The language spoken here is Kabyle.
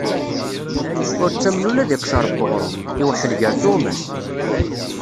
Ur ttamen ula d iqcer n uɣrum: iweḥḥel ger tuɣmas.